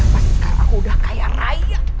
pasti sekarang aku udah kaya raya